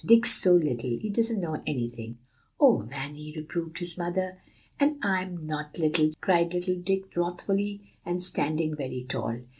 Dick's so little; he doesn't know anything" "O Vanny!" reproved his mother. "And I'm not little," cried little Dick wrathfully, and standing very tall.